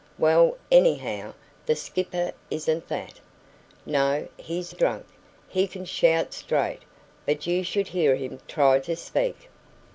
"Well, anyhow, the skipper isn't that." "No; he's drunk; he can shout straight, but you should hear him try to speak."